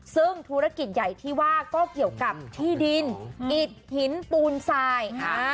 ซึ่งธุรกิจใหญ่ที่ว่าก็เกี่ยวกับที่ดินอิดหินปูนทราย